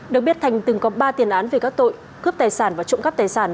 được biết thành từng có ba tiền án về các tội cướp tài sản và trộm cắp tài sản